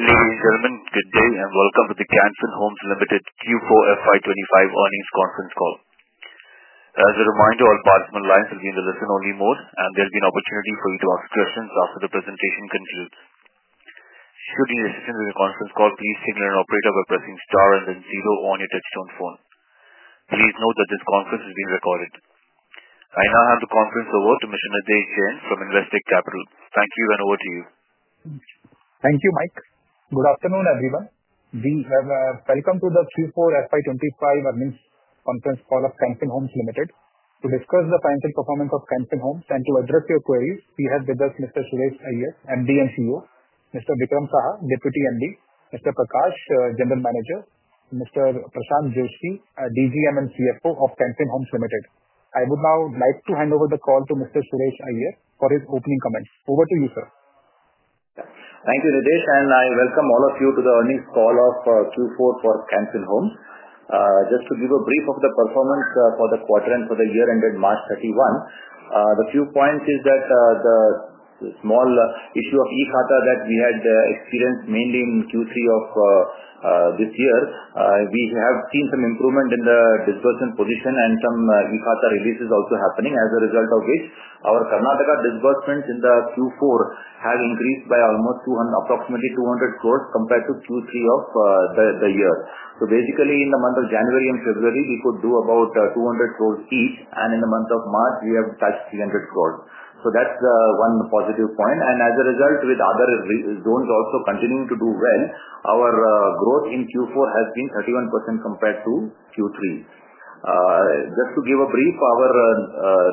Ladies and gentlemen, good day and welcome to the Can Fin Homes Limited Q4 FY 2025 earnings conference call. As a reminder, all participant lines will be in the listen-only mode, and there will be an opportunity for you to ask questions after the presentation concludes. Should you need assistance in the conference call, please signal an operator by pressing star and then zero on your touchtone phone. Please note that this conference is being recorded. I now hand the conference over to Mr. Nidhesh Jain from Investec Capital. Thank you, and over to you. Thank you, Mike. Good afternoon, everyone. We have welcomed to the Q4 FY 2025 Earnings Conference Call of Can Fin Homes Limited. To discuss the financial performance of Can Fin Homes and to address your queries, we have with us Mr. Suresh Iyer, MD and CEO, Mr. Vikram Saha, Deputy MD, Mr. Prakash, General Manager, and Mr. Prashanth Joishy, DGM and CFO of Can Fin Homes Limited. I would now like to hand over the call to Mr. Suresh Iyer for his opening comments. Over to you, sir. Thank you, Nidhesh, and I welcome all of you to the earnings call of Q4 for Can Fin Homes. Just to give a brief of the performance for the quarter end for the year ended March 31, the few points is that the small issue of e-Khata that we had experienced mainly in Q3 of this year, we have seen some improvement in the disbursement position and some e-Khata releases also happening, as a result of which our Karnataka disbursements in the Q4 have increased by almost approximately 200 crore compared to Q3 of the year. Basically, in the month of January and February, we could do about 200 crore each, and in the month of March, we have touched 300 crore. That is one positive point. As a result, with other zones also continuing to do well, our growth in Q4 has been 31% compared to Q3. Just to give a brief, our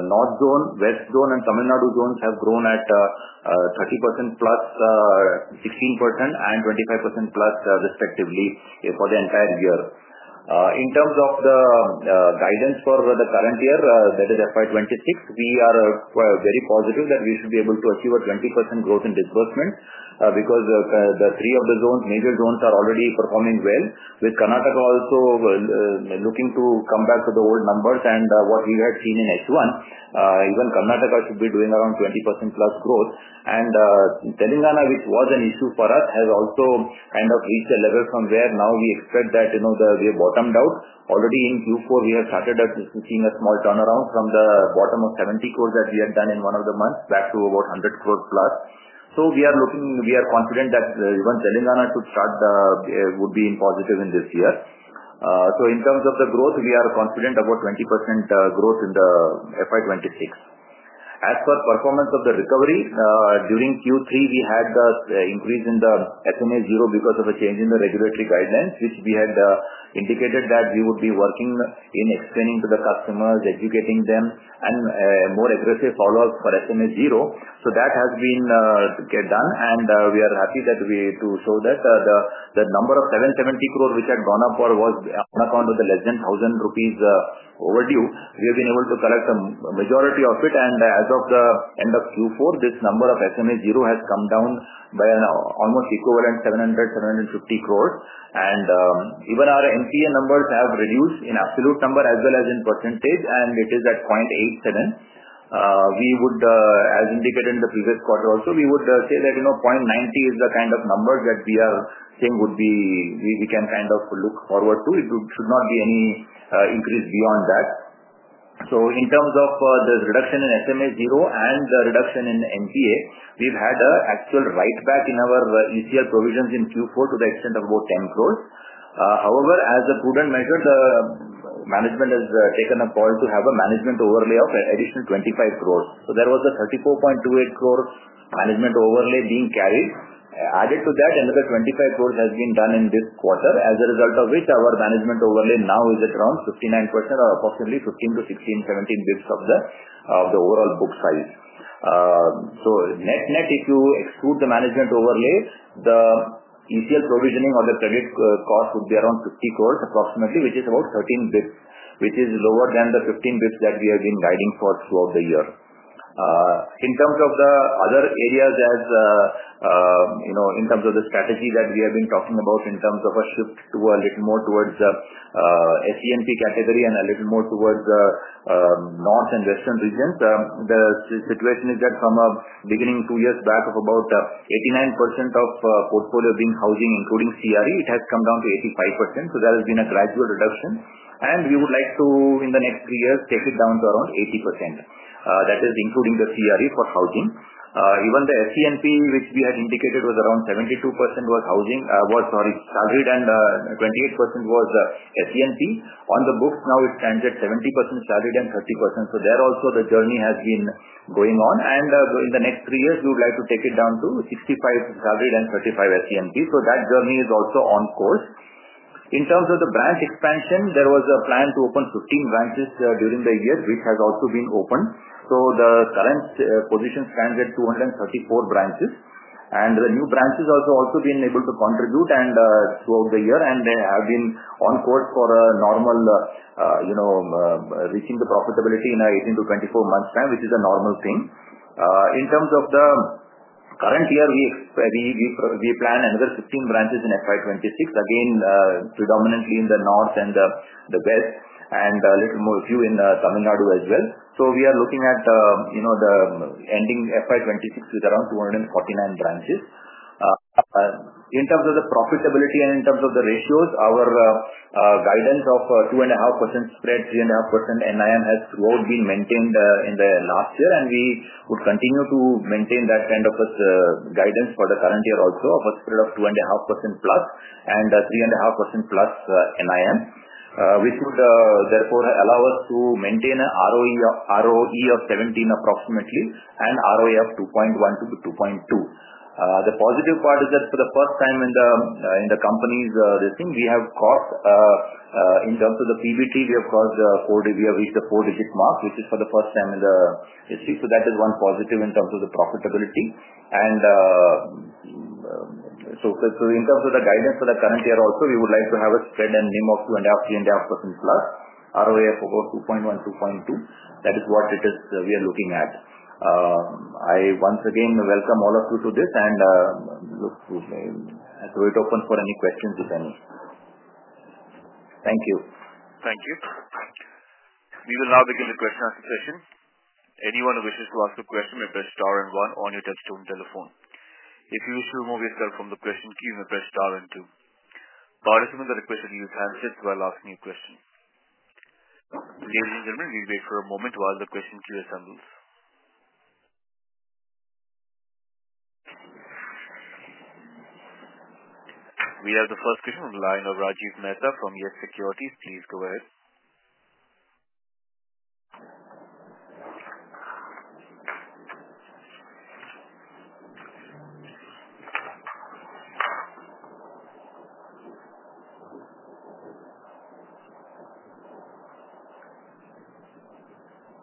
North Zone, West Zone, and Tamil Nadu zones have grown at 30%+, 16%, and 25%+, respectively, for the entire year. In terms of the guidance for the current year, that is FY 2026, we are very positive that we should be able to achieve a 20% growth in disbursement because the three of the zones, major zones, are already performing well, with Karnataka also looking to come back to the old numbers. What we had seen in H1, even Karnataka should be doing around 20%+ growth. Telangana, which was an issue for us, has also kind of reached a level from where now we expect that we have bottomed out. Already in Q4, we have started seeing a small turnaround from the bottom of 70+ that we had done in one of the months back to about 100+. We are confident that even Telangana should start would be in positive in this year. In terms of the growth, we are confident about 20% growth in FY 2026. As for performance of the recovery, during Q3, we had the increase in the SMA-0 because of a change in the regulatory guidelines, which we had indicated that we would be working in explaining to the customers, educating them, and more aggressive follow-ups for SMA-0. That has been done, and we are happy to show that the number of 770 crore which had gone up was on account of the less than 1,000 rupees overdue. We have been able to collect a majority of it, and as of the end of Q4, this number of SMA-0 has come down by an almost equivalent 700 crore-750 crore. Even our NPA numbers have reduced in absolute number as well as in percentage, and it is at 0.87%. We would, as indicated in the previous quarter also, say that 0.90% is the kind of number that we are saying we can kind of look forward to. It should not be any increase beyond that. In terms of the reduction in SMA-0 and the reduction in NPA, we have had an actual write-back in our ECL provisions in Q4 to the extent of about 10 crore. However, as a prudent measure, the management has taken a call to have a management overlay of an additional 25 crore. There was a 34.28 crore management overlay being carried. Added to that, another 25 crore has been done in this quarter, as a result of which our management overlay now is at around 59% or approximately 15-17 basis points of the overall book size. Net net, if you exclude the management overlay, the ECL provisioning or the credit cost would be around 50 crore approximately, which is about 13 basis points, which is lower than the 15 basis points that we have been guiding for throughout the year. In terms of the other areas, as in terms of the strategy that we have been talking about in terms of a shift to a little more towards the SENP category and a little more towards the North and Western regions, the situation is that from beginning two years back of about 89% of portfolio being housing, including CRE, it has come down to 85%. There has been a gradual reduction, and we would like to, in the next three years, take it down to around 80%. That is including the CRE for housing. Even the SENP, which we had indicated was around 72% was housing, sorry, salaried, and 28% was SENP. On the books, now it stands at 70% salaried and 30%. There also, the journey has been going on, and in the next three years, we would like to take it down to 65 salaried and 35 SENP. That journey is also on course. In terms of the branch expansion, there was a plan to open 15 branches during the year, which has also been opened. The current position stands at 234 branches, and the new branches have also been able to contribute throughout the year, and they have been on course for a normal reaching the profitability in 18-24 months' time, which is a normal thing. In terms of the current year, we plan another 15 branches in FY 2026, again predominantly in the North and the West and a little few in Tamil Nadu as well. We are looking at ending FY 2026 with around 249 branches. In terms of the profitability and in terms of the ratios, our guidance of 2.5% spread, 3.5% NIM has throughout been maintained in the last year, and we would continue to maintain that kind of guidance for the current year also of a spread of 2.5%+ and 3.5%+ NIM, which would therefore allow us to maintain an ROE of 17% approximately and ROA of 2.1%-2.2%. The positive part is that for the first time in the company's listing, we have cost in terms of the PBT, we have reached the four-digit mark, which is for the first time in the history. That is one positive in terms of the profitability. In terms of the guidance for the current year also, we would like to have a spread and NIM of 2.5%, 3.5%+, ROA of about 2.1%-2.2%. That is what it is we are looking at. I once again welcome all of you to this, and I'll wait open for any questions, if any. Thank you. Thank you. We will now begin the question-answer session. Anyone who wishes to ask a question may press star and one on your touchtone telephone. If you wish to remove yourself from the question queue, you may press star and two. Participants are requested to use the handset while asking a question. Ladies and gentlemen, we'll wait for a moment while the question queue assembles. We have the first question on the line of Rajiv Mehta from YES Securities. Please go ahead.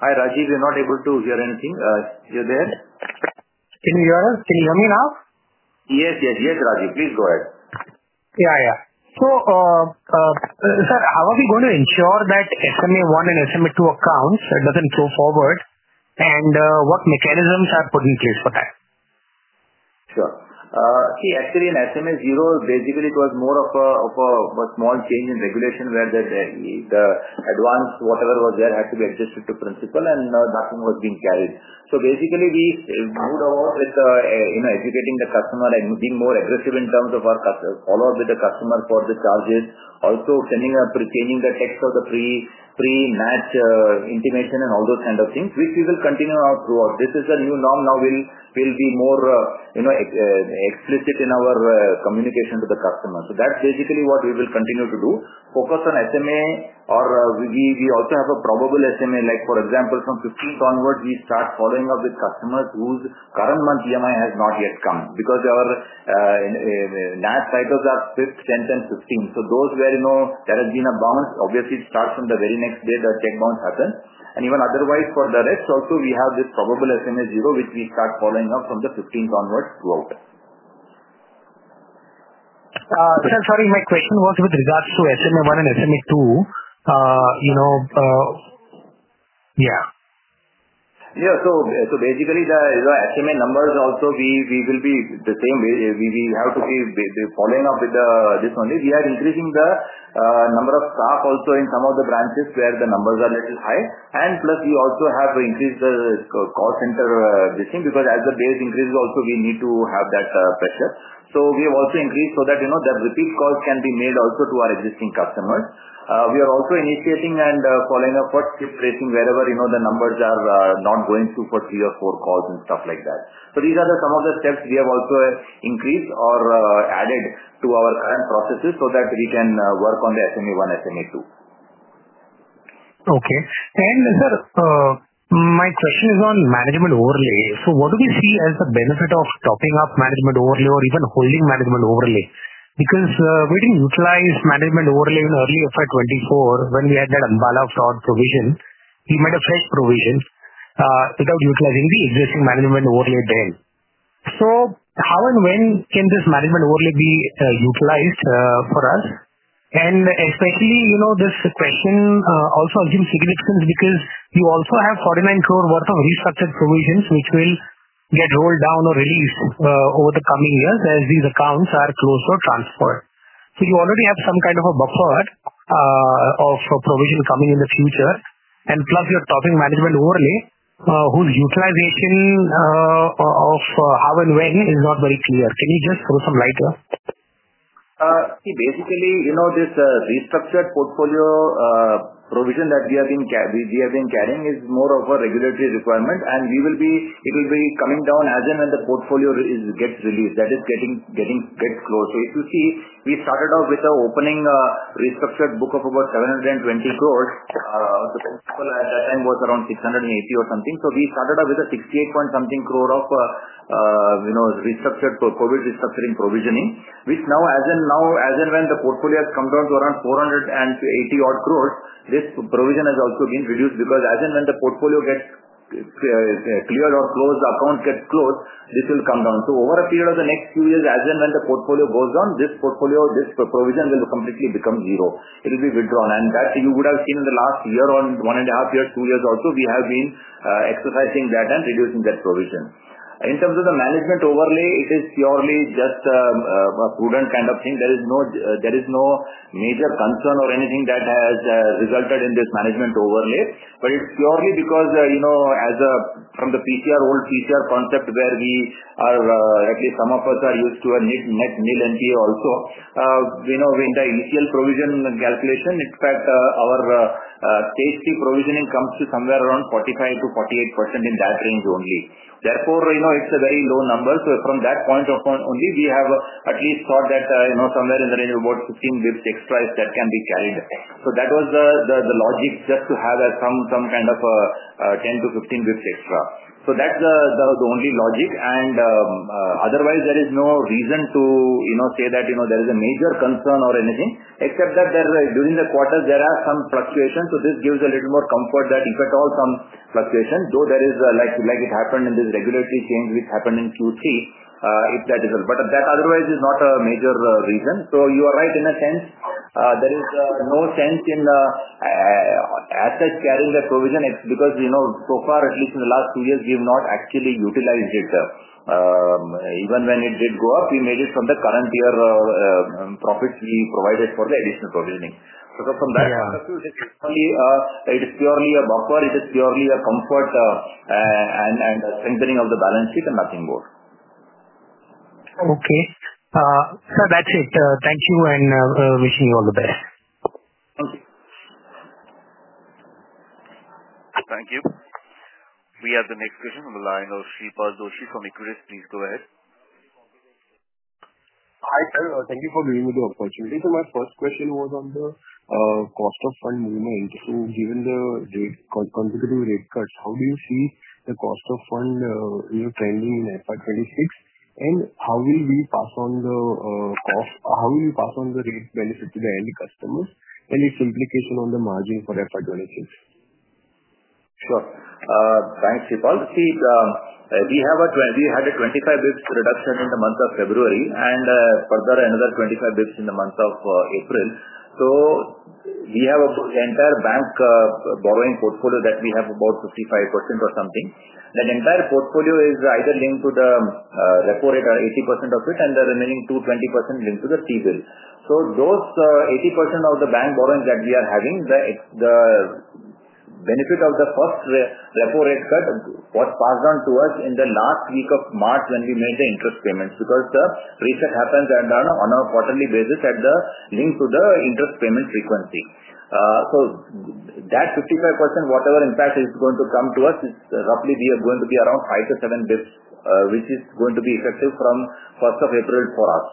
Hi, Rajiv, you're not able to hear anything. You're there? Can you hear me now? Yes, yes, yes, Rajiv. Please go ahead. Yeah, yeah. Sir, how are we going to ensure that SMA-1 and SMA-2 accounts do not go forward, and what mechanisms are put in place for that? Sure. See, actually, in SMA-0, basically, it was more of a small change in regulation where the advance, whatever was there, had to be adjusted to principal, and nothing was being carried. Basically, we moved about with educating the customer and being more aggressive in terms of our follow-up with the customer for the charges. Also, sending and retaining the text of the pre-NACH intimation and all those kinds of things, which we will continue throughout. This is the new norm. Now we'll be more explicit in our communication to the customers. That's basically what we will continue to do. Focus on SMA, or we also have a probable SMA, like for example, from the 15th onwards, we start following up with customers whose current month EMI has not yet come because our NACH cycles are 5th, 10th, and 15th. Those where there has been a bounce, obviously, it starts from the very next day the cheque bounce happens. Even otherwise, for the rest also, we have this probable SMA-0, which we start following up from the 15th onwards throughout. Sir, sorry, my question was with regards to SMA-1 and SMA-2. Yeah. Yeah, so basically, the SMA numbers also, we will be the same. We have to be following up with this only. We are increasing the number of staff also in some of the branches where the numbers are a little high. Plus, we also have increased the call center listing because as the base increases, also we need to have that pressure. We have also increased so that the repeat calls can be made also to our existing customers. We are also initiating and following up for skip tracing wherever the numbers are not going through for three or four calls and stuff like that. These are some of the steps we have also increased or added to our current processes so that we can work on the SMA-1, SMA-2. Okay. Sir, my question is on management overlay. What do we see as the benefit of topping up management overlay or even holding management overlay? Because we did not utilize management overlay in early FY 2024 when we had that Ambala fraud provision. We made a fresh provision without utilizing the existing management overlay then. How and when can this management overlay be utilized for us? This question also assumes significance because you also have 49 crore worth of restructured provisions, which will get rolled down or released over the coming years as these accounts are closed or transferred. You already have some kind of a buffer of provision coming in the future, and plus you are topping management overlay, whose utilization of how and when is not very clear. Can you just throw some light here? See, basically, this restructured portfolio provision that we have been carrying is more of a regulatory requirement, and it will be coming down as and when the portfolio gets released. That is, getting gets closed. If you see, we started off with opening a restructured book of about 720 crore. The principal at that time was around 680 or something. We started off with a 68 point something crore of COVID restructuring provisioning, which now as and when the portfolio has come down to around 480 odd crore, this provision has also been reduced because as and when the portfolio gets cleared or closed, the account gets closed, this will come down. Over a period of the next few years, as and when the portfolio goes down, this portfolio, this provision will completely become zero. It will be withdrawn. You would have seen in the last year or one and a half years, two years also, we have been exercising that and reducing that provision. In terms of the management overlay, it is purely just a prudent kind of thing. There is no major concern or anything that has resulted in this management overlay. It is purely because from the old PCR concept where we are, at least some of us are used to a net, nil, NPA also, in the initial provision calculation, in fact, our Stage 3 provisioning comes to somewhere around 45%-48% in that range only. Therefore, it is a very low number. From that point of view only, we have at least thought that somewhere in the range of about 15 basis points extra if that can be carried. That was the logic just to have some kind of 10-15 basis points extra. That is the only logic. Otherwise, there is no reason to say that there is a major concern or anything, except that during the quarters, there are some fluctuations. This gives a little more comfort that if at all some fluctuation, though there is like it happened in this regulatory change which happened in Q3, if that is all. That otherwise is not a major reason. You are right in a sense. There is no sense in as such carrying the provision because so far, at least in the last two years, we have not actually utilized it. Even when it did go up, we made it from the current year profits we provided for the additional provisioning. From that point of view, it is purely a buffer. It is purely a comfort and strengthening of the balance sheet and nothing more. Okay. Sir, that's it. Thank you, and wishing you all the best. Thank you. Thank you. We have the next question on the line of Shreepal Doshi from Equirus. Please go ahead. Hi, sir. Thank you for giving me the opportunity. My first question was on the cost of fund movement. Given the consecutive rate cuts, how do you see the cost of fund trending in FY 2026? How will we pass on the cost? How will we pass on the rate benefit to the end customers and its implication on the margin for FY 2026? Sure. Thanks, Shreepal. We had a 25 basis points reduction in the month of February and further another 25 basis points in the month of April. We have an entire bank borrowing portfolio that we have about 55% or something. That entire portfolio is either linked to the repo rate, 80% of it, and the remaining 20% linked to the T-bill. Those 80% of the bank borrowing that we are having, the benefit of the first repo rate cut was passed on to us in the last week of March when we made the interest payments because the reset happens on a quarterly basis linked to the interest payment frequency. That 55%, whatever impact is going to come to us, is roughly going to be around 5-7 basis points, which is going to be effective from 1st of April for us.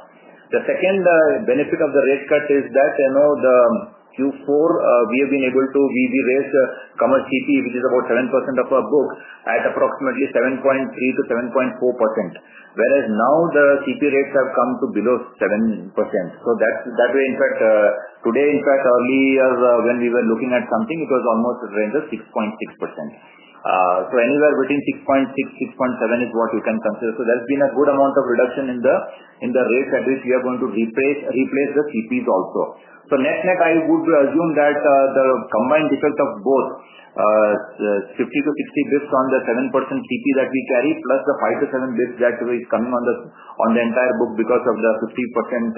The second benefit of the rate cut is that the Q4, we have been able to raise the commercial CP, which is about 7% of our book at approximately 7.3%-7.4%, whereas now the CP rates have come to below 7%. That way, in fact, today, in fact, earlier when we were looking at something, it was almost in the range of 6.6%. Anywhere between 6.6%-6.7% is what you can consider. There has been a good amount of reduction in the rates at which we are going to replace the CPs also. Next, I would assume that the combined effect of both 50-60 basis points on the 7% CP that we carry, plus the 5-7 basis points that is coming on the entire book because of the 50%-55%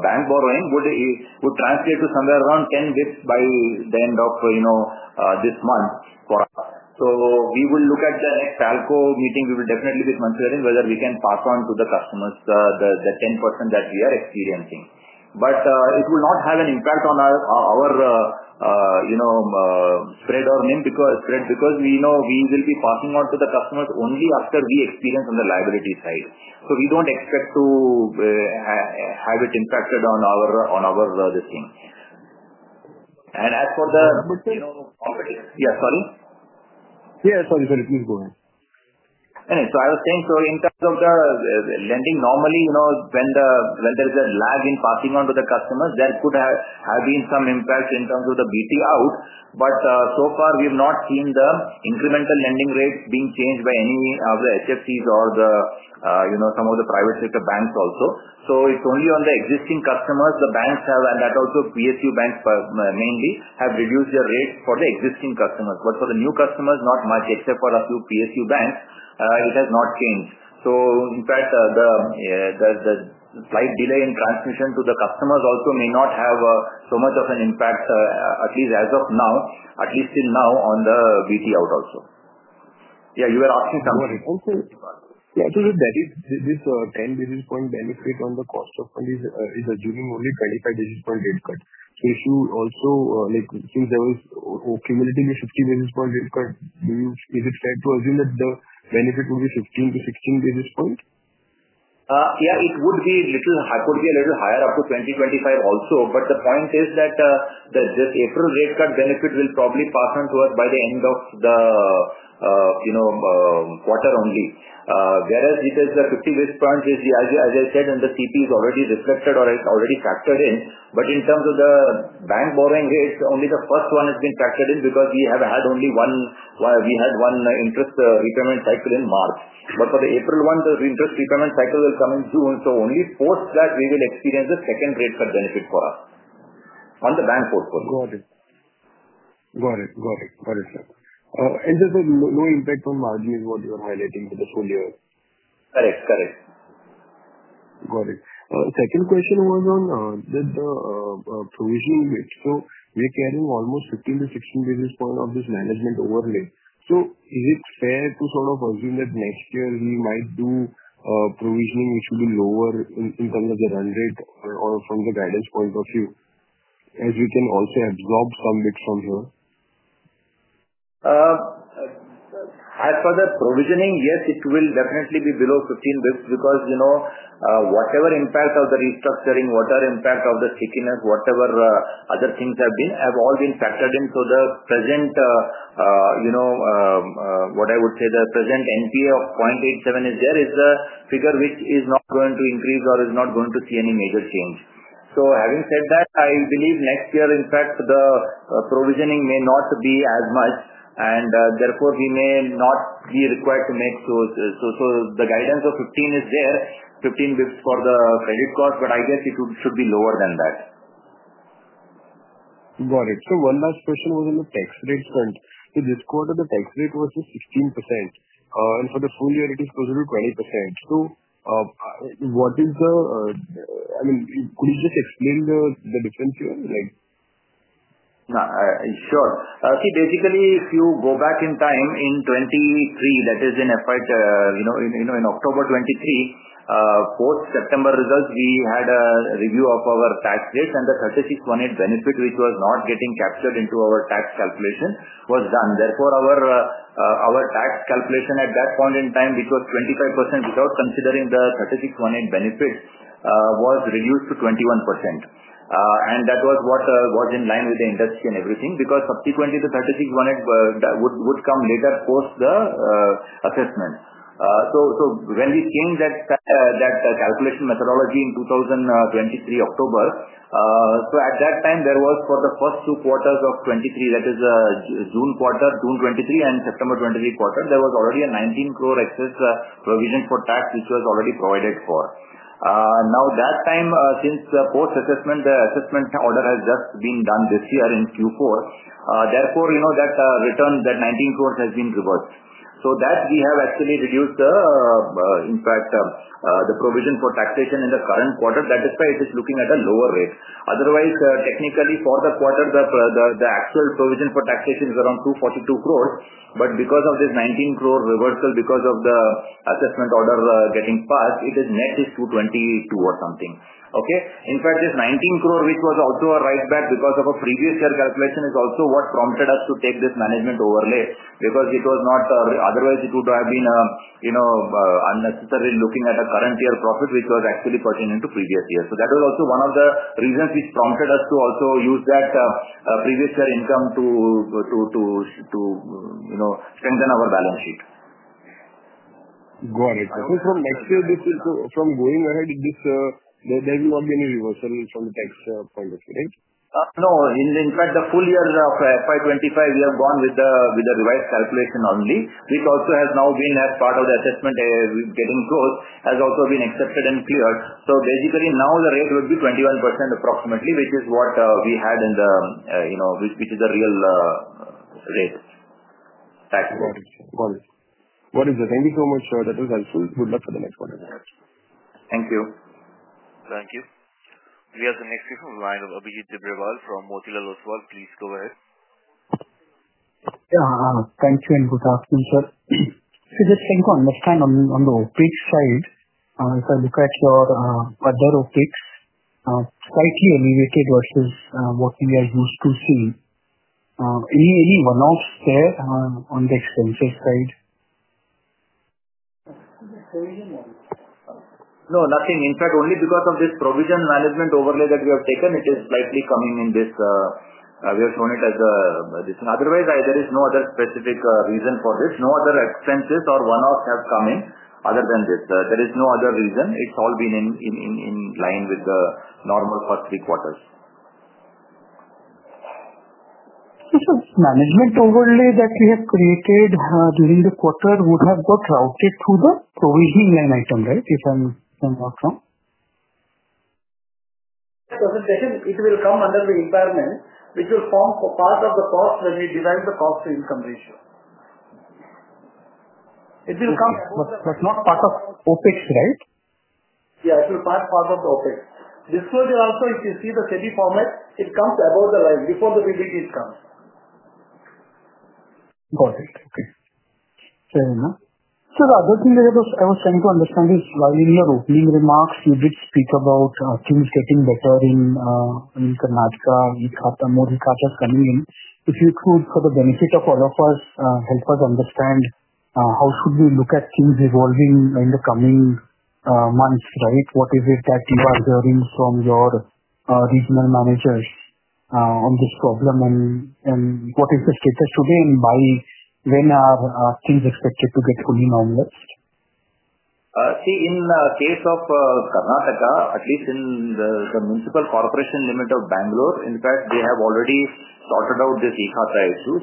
bank borrowing, would translate to somewhere around 10 basis points by the end of this month for us. We will look at the next ALCO meeting. We will definitely be considering whether we can pass on to the customers the 10% that we are experiencing. It will not have an impact on our spread or NIM because we will be passing on to the customers only after we experience on the liability side. We do not expect to have it impacted on our listing. As for the. Yeah, sorry? Yeah, sorry, sir. Please go ahead. Anyway, I was saying, in terms of the lending, normally when there is a lag in passing on to the customers, there could have been some impact in terms of the BT out. However, so far, we have not seen the incremental lending rates being changed by any of the HFCs or some of the private sector banks also. It is only on the existing customers. The banks have, and that also PSU banks mainly, reduced their rates for the existing customers. For the new customers, not much, except for a few PSU banks, it has not changed. In fact, the slight delay in transmission to the customers also may not have so much of an impact, at least as of now, at least till now on the BT out also. Yeah, you were asking something. Sorry, also, yeah, with that, this 10 basis point benefit on the cost of fund is assuming only a 25 basis point rate cut. If you also, since there was cumulatively a 50 basis point rate cut, is it fair to assume that the benefit would be 15-16 basis points? Yeah, it would be a little higher, up to 2025 also. The point is that this April rate cut benefit will probably pass on to us by the end of the quarter only. Whereas it is the 50 basis point, as I said, and the CP is already reflected or it's already factored in. In terms of the bank borrowing rates, only the first one has been factored in because we have had only one interest repayment cycle in March. For the April one, the interest repayment cycle will come in June. Only post that, we will experience the second rate cut benefit for us on the bank portfolio. Got it. Got it, sir. Just the low impact on margin is what you are highlighting for this whole year. Correct, correct. Got it. Second question was on the provisioning rate. We are carrying almost 15-16 basis points of this management overlay. Is it fair to sort of assume that next year we might do provisioning which will be lower in terms of the run rate or from the guidance point of view, as we can also absorb some bids from here? As for the provisioning, yes, it will definitely be below 15 basis points because whatever impact of the restructuring, whatever impact of the stickiness, whatever other things have been, have all been factored in. The present, what I would say, the present NPA of 0.87% is there, is the figure which is not going to increase or is not going to see any major change. Having said that, I believe next year, in fact, the provisioning may not be as much, and therefore we may not be required to make, so the guidance of 15 is there, 15 basis points for the credit cost, but I guess it should be lower than that. Got it. One last question was on the tax rate front. This quarter, the tax rate was 16%. For the full year, it is closer to 20%. What is the, I mean, could you just explain the difference here? Sure. See, basically, if you go back in time in 2023, that is in FY, in October 2023, post-September results, we had a review of our tax rates and the 36(1)(viii) benefit, which was not getting captured into our tax calculation, was done. Therefore, our tax calculation at that point in time, which was 25% without considering the 36(1)(viii) benefit, was reduced to 21%. That was what was in line with the industry and everything because subsequently, the 36(1)(viii) would come later post the assessment. When we changed that calculation methodology in 2023 October, at that time, there was for the first two quarters of 2023, that is June quarter, June 2023 and September 2023 quarter, there was already a 19 crore excess provision for tax, which was already provided for. That time, since post-assessment, the assessment order has just been done this year in Q4. Therefore, that return, that 19 crore has been reversed. That is why we have actually reduced the, in fact, the provision for taxation in the current quarter. That is why it is looking at a lower rate. Otherwise, technically for the quarter, the actual provision for taxation is around 242 crore. Because of this 19 crore reversal, because of the assessment order getting passed, it is net 222 crore or something. Okay? In fact, this 19 crore, which was also a write-back because of a previous year calculation, is also what prompted us to take this management overlay because it was not, otherwise, it would have been unnecessary looking at a current year profit, which was actually pertaining to previous year. That was also one of the reasons which prompted us to also use that previous year income to strengthen our balance sheet. Got it. From next year, going ahead, there will not be any reversal from the tax point of view, right? No. In fact, the full year of FY 2025, we have gone with the revised calculation only, which also has now been as part of the assessment getting closed, has also been accepted and cleared. Basically, now the rate will be 21% approximately, which is what we had in the, which is the real rate tax code. Got it. Got it, sir. Thank you so much, sir. That was helpful. Good luck for the next quarter. Thank you. Thank you. We have the next question from the line of Abhijit Tibrewal from Motilal Oswal. Please go ahead. Yeah. Thank you and good afternoon, sir. Just to think on this time on the OpEx side, if I look at your other OpEx, slightly elevated versus what we are used to seeing. Any one-offs there on the expenses side? No, nothing. In fact, only because of this provision management overlay that we have taken, it is slightly coming in this. We have shown it as the otherwise, there is no other specific reason for this. No other expenses or one-offs have come in other than this. There is no other reason. It is all been in line with the normal first three quarters. Management overlay that we have created during the quarter would have got routed through the provisioning line item, right, if I'm not wrong? It will come under the requirement, which will form part of the cost when we design the cost-to-income ratio. It will come. Not part of OpEx, right? Yeah, it will pass part of the OpEx. This quarter also, if you see the SEBI format, it comes above the line before the PBTs come. Got it. Okay. Fair enough. The other thing that I was trying to understand is while in your opening remarks, you did speak about things getting better in Karnataka, more e-Khata is coming in. If you could, for the benefit of all of us, help us understand how should we look at things evolving in the coming months, right? What is it that you are hearing from your regional managers on this problem? What is the status today? By when are things expected to get fully normalized? See, in the case of Karnataka, at least in the municipal corporation limit of Bangalore, in fact, they have already sorted out this e-Khata issue.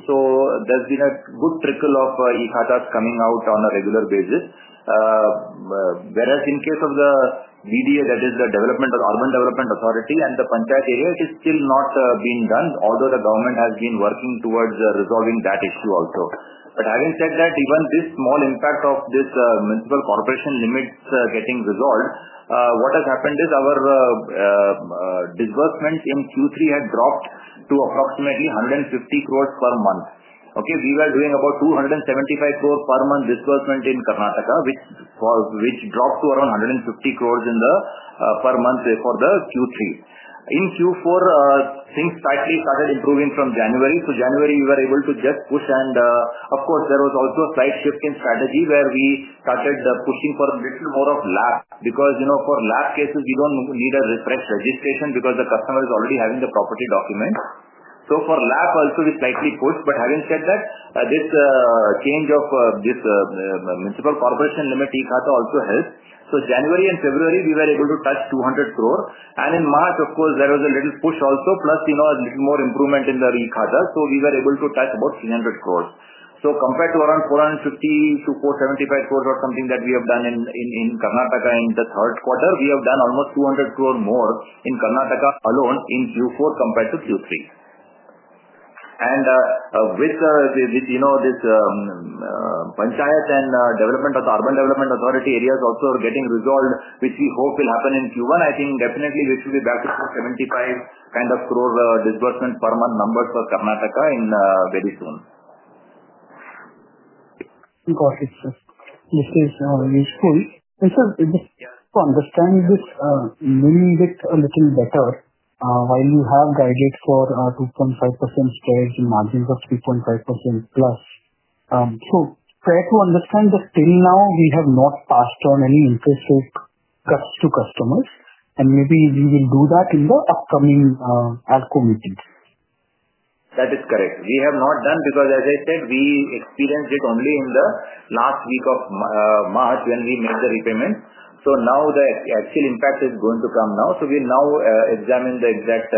There has been a good trickle of e-Khatas coming out on a regular basis. Whereas in case of the BDA, that is the Urban Development Authority, and the Panchayat area, it is still not being done, although the government has been working towards resolving that issue also. Having said that, even this small impact of this municipal corporation limits getting resolved, what has happened is our disbursement in Q3 had dropped to approximately 150 crore per month. We were doing about 275 crore per month disbursement in Karnataka, which dropped to around 150 crore per month for Q3. In Q4, things slightly started improving from January. January, we were able to just push, and of course, there was also a slight shift in strategy where we started pushing for a little more of LAP because for LAP cases, we do not need a refresh registration because the customer is already having the property document. For LAP also, we slightly pushed. Having said that, this change of this municipal corporation limit, e-Khata also helped. January and February, we were able to touch 200 crore. In March, of course, there was a little push also, plus a little more improvement in the e-Khata. We were able to touch about 300 crore. Compared to around 450-475 crore or something that we have done in Karnataka in the third quarter, we have done almost 200 crore more in Karnataka alone in Q4 compared to Q3. With this Panchayat and development of the Urban Development Authority areas also getting resolved, which we hope will happen in Q1, I think definitely we should be back to 75 crore disbursement per month numbers for Karnataka very soon. Got it, sir. This is useful. Sir, just to understand this, meaning it a little better, while you have guided for 2.5% shares and margins of 3.5%+, is it fair to understand that till now, we have not passed on any interest rate cuts to customers, and maybe we will do that in the upcoming ALCO meeting. That is correct. We have not done because, as I said, we experienced it only in the last week of March when we made the repayment. Now the actual impact is going to come now. We will now examine the exact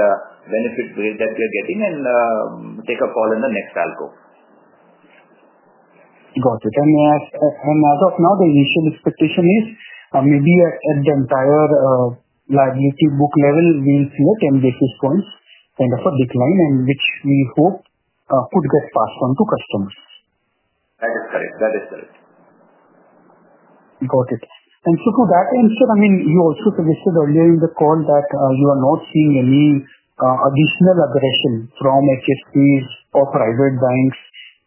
benefit rate that we are getting and take a call in the next ALCO. Got it. As of now, the initial expectation is maybe at the entire liability book level, we'll see a 10 basis points kind of a decline, which we hope could get passed on to customers. That is correct. That is correct. Got it. To that end, sir, I mean, you also suggested earlier in the call that you are not seeing any additional aggression from HFCs or private banks,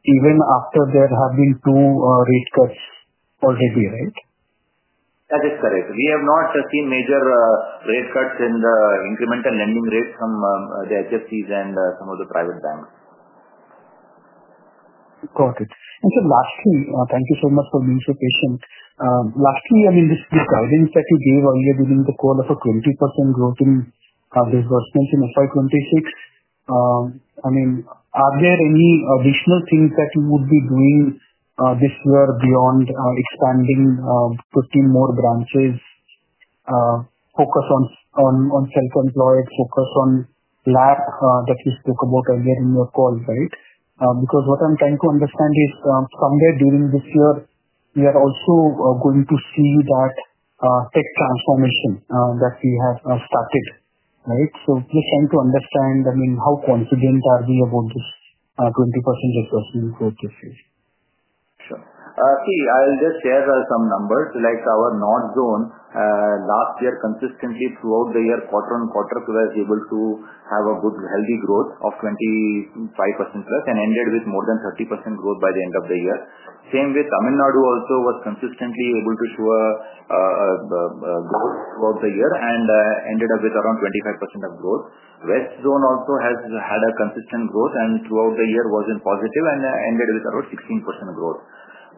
even after there have been two rate cuts already, right? That is correct. We have not seen major rate cuts in the incremental lending rates from the HFCs and some of the private banks. Got it. Sir, lastly, thank you so much for being so patient. Lastly, I mean, this guidance that you gave earlier during the call of a 20% growth in disbursements in FY 2026, I mean, are there any additional things that you would be doing this year beyond expanding, putting more branches, focus on self-employed, focus on LAP that you spoke about earlier in your call, right? Because what I am trying to understand is somewhere during this year, we are also going to see that tech transformation that we have started, right? Just trying to understand, I mean, how confident are we about this 20% disbursement growth this year? Sure. See, I'll just share some numbers. Like our North Zone, last year, consistently throughout the year, quarter on quarter, we were able to have a good healthy growth of 25%+ and ended with more than 30% growth by the end of the year. Same with Tamil Nadu also was consistently able to show a growth throughout the year and ended up with around 25% of growth. West Zone also has had a consistent growth and throughout the year was in positive and ended with around 16% growth.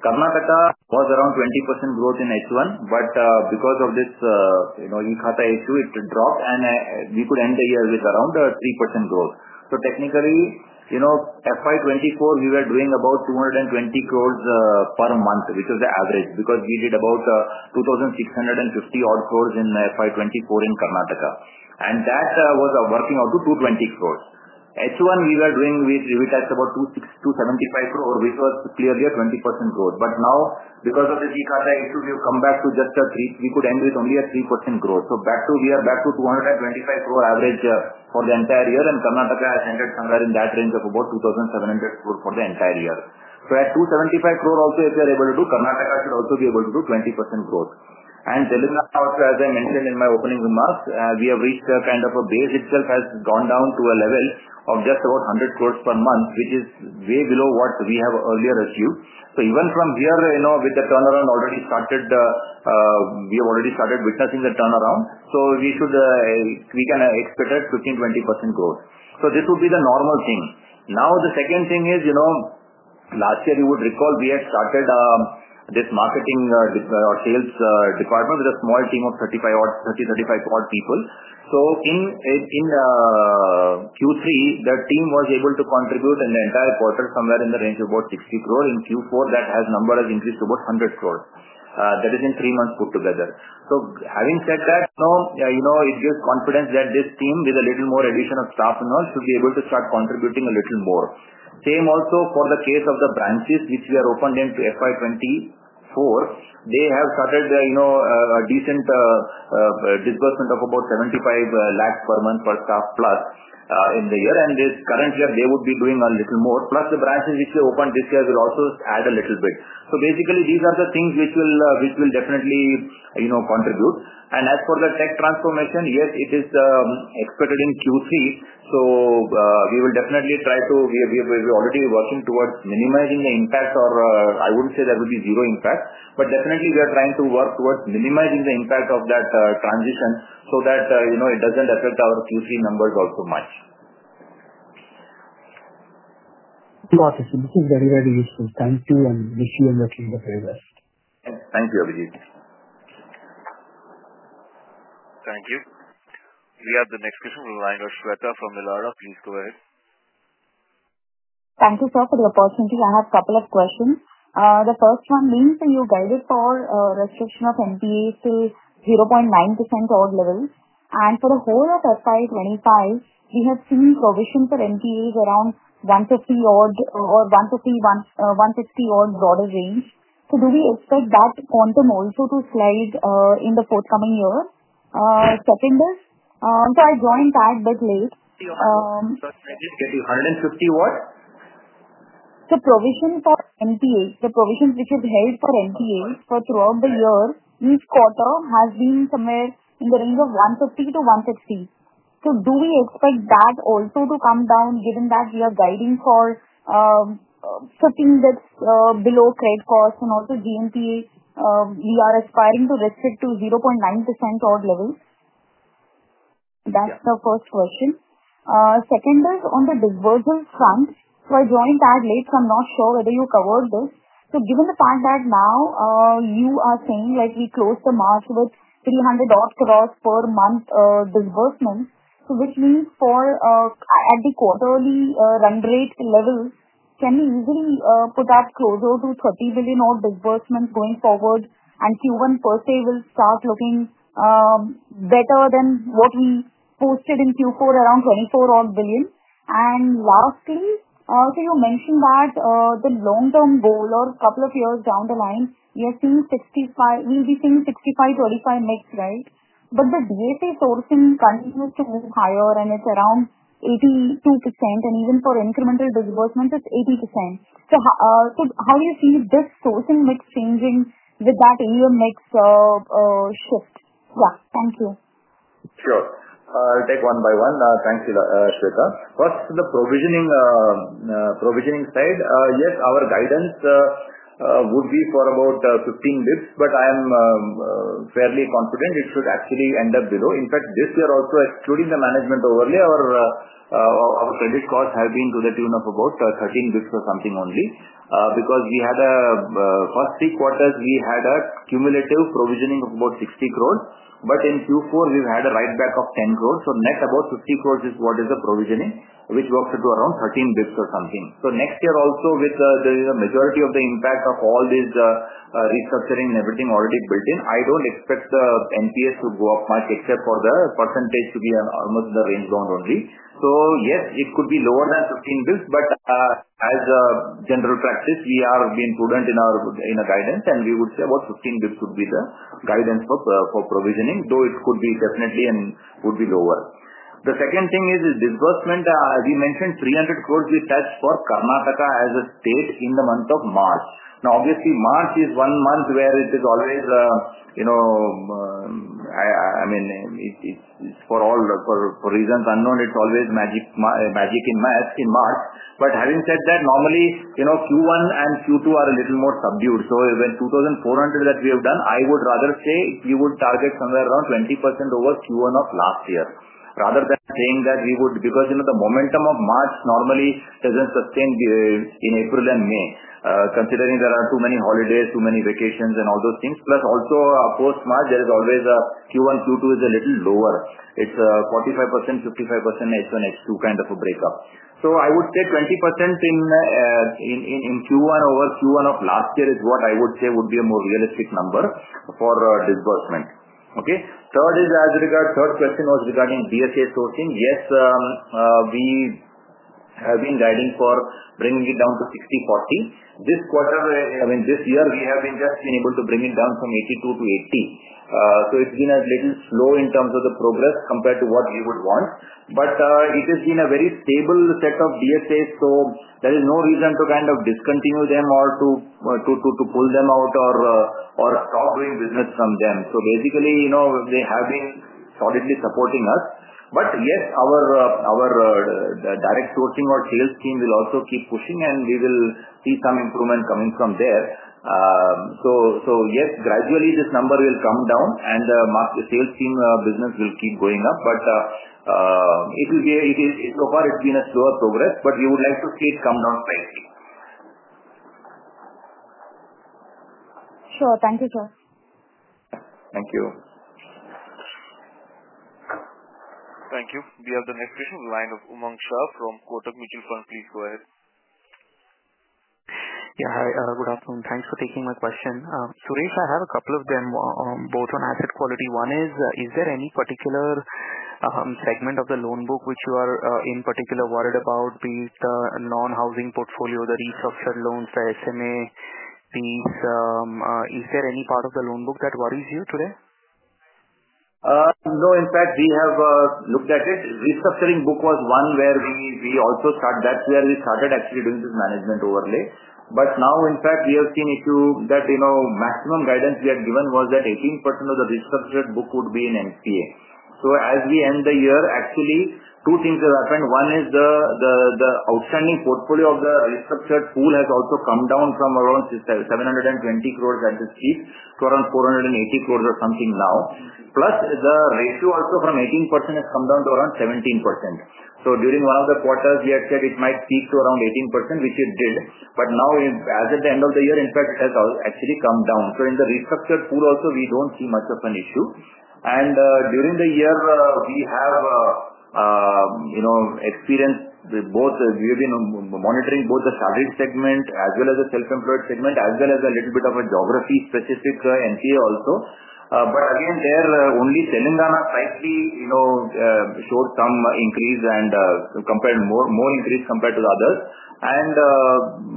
Karnataka was around 20% growth in H1, but because of this e-Khata issue, it dropped, and we could end the year with around 3% growth. Technically, FY 2024, we were doing about 220 crore per month, which was the average because we did about 2,650 odd crore in FY 2024 in Karnataka. That was working out to 220 crore. H1, we were doing with run rate about 275 crore, which was clearly a 20% growth. Now, because of this e-Khata issue, we have come back to just a 3%. We could end with only a 3% growth. Back to we are back to 225 crore average for the entire year, and Karnataka has entered somewhere in that range of about 2,700 crore for the entire year. At 275 crore also, if we are able to do, Karnataka should also be able to do 20% growth. Telangana also, as I mentioned in my opening remarks, we have reached a kind of a base itself has gone down to a level of just about 100 crore per month, which is way below what we have earlier assumed. Even from here, with the turnaround already started, we have already started witnessing the turnaround. We can expect at 15%-20% growth. This would be the normal thing. Now, the second thing is, last year, you would recall we had started this marketing or sales department with a small team of 30-35 odd people. In Q3, the team was able to contribute in the entire quarter somewhere in the range of about 60 crore. In Q4, that number has increased to about 100 crore. That is in three months put together. Having said that, it gives confidence that this team, with a little more addition of staff and all, should be able to start contributing a little more. Same also for the case of the branches, which we opened in FY 2024. They have started a decent disbursement of about INR 7.5 million per month per staff plus in the year. This current year, they would be doing a little more. Plus, the branches which we opened this year will also add a little bit. Basically, these are the things which will definitely contribute. As for the tech transformation, yes, it is expected in Q3. We will definitely try to, we are already working towards minimizing the impact, or I would not say there will be zero impact. Definitely, we are trying to work towards minimizing the impact of that transition so that it does not affect our Q3 numbers also much. Got it. This is very, very useful. Thank you, and wish you and your team the very best. Thank you, Abhijit. Thank you. We have the next question from the line of Shweta from Elara. Please go ahead. Thank you, sir, for the opportunity. I have a couple of questions. The first one being that you guided for restriction of NPAs till 0.9% odd level. And for the whole of FY 2025, we have seen provision for NPAs around INR 150 million odd or INR 150 million odd broader range. Do we expect that quantum also to slide in the forthcoming year? Second is, I joined back a bit late. You're welcome. I just get you. 150 what? Provision for NPAs, the provision which is held for NPAs for throughout the year, each quarter has been somewhere in the range of 150 million-160 million. Do we expect that also to come down given that we are guiding for something that's below credit cost and also GNPA? We are aspiring to restrict to 0.9% odd level. That's the first question. Second is, on the disbursal front, I joined back late, so I'm not sure whether you covered this. Given the fact that now you are saying we close March with 3 billion odd per month disbursement, which means at the quarterly run rate level, can we easily put up closer to 30 billion odd disbursements going forward? Q1 per se will start looking better than what we posted in Q4, around 24 billion odd. Lastly, you mentioned that the long-term goal or a couple of years down the line, we will be seeing 65, 25 mix, right? The DSA sourcing continues to move higher, and it is around 82%. Even for incremental disbursements, it is 80%. How do you see this sourcing mix changing with that AUM mix shift? Thank you. Sure. I'll take one by one. Thanks, Shweta. First, the provisioning side, yes, our guidance would be for about 15 basis points, but I am fairly confident it should actually end up below. In fact, this year, also excluding the management overlay, our credit costs have been to the tune of about 13 basis points or something only because we had a first three quarters, we had a cumulative provisioning of about 600 million. In Q4, we've had a write-back of 100 million. Net, about 500 million is what is the provisioning, which works into around 13 basis points or something. Next year, also with the majority of the impact of all this restructuring and everything already built in, I don't expect the NPAs to go up much except for the percentage to be almost in the range bound only. Yes, it could be lower than 15 basis points, but as general practice, we have been prudent in our guidance, and we would say about 15 basis points would be the guidance for provisioning, though it could be definitely and would be lower. The second thing is disbursement. As you mentioned, 300 crore we touched for Karnataka as a state in the month of March. Now, obviously, March is one month where it is always, I mean, it's for reasons unknown, it's always magic in March. But having said that, normally, Q1 and Q2 are a little more subdued. When 2,400 that we have done, I would rather say we would target somewhere around 20% over Q1 of last year rather than saying that we would because the momentum of March normally does not sustain in April and May, considering there are too many holidays, too many vacations, and all those things. Plus, also post-March, there is always a Q1, Q2 is a little lower. It is 45%, 55% H1, H2 kind of a breakup. I would say 20% in Q1 over Q1 of last year is what I would say would be a more realistic number for disbursement. Okay. Third is, as regards third question was regarding DSA sourcing. Yes, we have been guiding for bringing it down to 60, 40. This quarter, I mean, this year, we have just been able to bring it down from 82 to 80. It has been a little slow in terms of the progress compared to what we would want. It has been a very stable set of DSAs, so there is no reason to kind of discontinue them or to pull them out or stop doing business from them. Basically, they have been solidly supporting us. Yes, our direct sourcing or sales team will also keep pushing, and we will see some improvement coming from there. Yes, gradually this number will come down, and the sales team business will keep going up. It will be, so far, it has been a slower progress, but we would like to see it come down slightly. Sure. Thank you, sir. Thank you. Thank you. We have the next question from the line of Umang Shah from Kotak Mutual Fund. Please go ahead. Yeah. Hi. Good afternoon. Thanks for taking my question. Suresh, I have a couple of them, both on asset quality. One is, is there any particular segment of the loan book which you are in particular worried about, be it the non-housing portfolio, the restructured loans, the SMA piece? Is there any part of the loan book that worries you today? No. In fact, we have looked at it. Restructuring book was one where we also started, that's where we started actually doing this management overlay. Now, in fact, we have seen issue that maximum guidance we had given was that 18% of the restructured book would be in NPA. As we end the year, actually, two things have happened. One is the outstanding portfolio of the restructured pool has also come down from around 720 crore at its peak to around 480 crore or something now. Plus, the ratio also from 18% has come down to around 17%. During one of the quarters, we had said it might peak to around 18%, which it did. Now, as at the end of the year, in fact, it has actually come down. In the restructured pool also, we do not see much of an issue. During the year, we have experienced both, we have been monitoring both the salaried segment as well as the self-employed segment, as well as a little bit of a geography-specific NPA also. There, only Telangana slightly showed some increase and more increase compared to the others. There